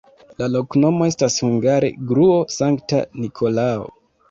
La loknomo estas hungare: gruo-Sankta Nikolao.